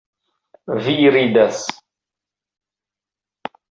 Vi ridas!